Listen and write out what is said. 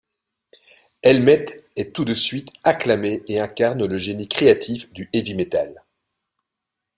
Helmet est tout de suite acclamé et incarne le génie créatif du heavy metal.